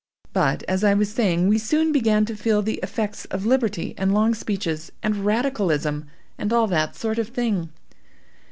But, as I was saying, we soon began to feel the effects of liberty and long speeches, and radicalism, and all that sort of thing.